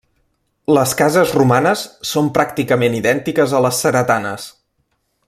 Les cases romanes són pràcticament idèntiques a les ceretanes.